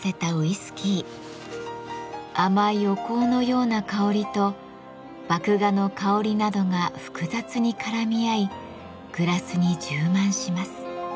甘いお香のような香りと麦芽の香りなどが複雑に絡み合いグラスに充満します。